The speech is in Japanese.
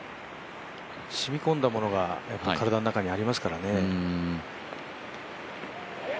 染みこんだものが体の中にありますからね。